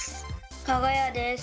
かが屋です。